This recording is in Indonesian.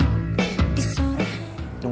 nunggu sus goreng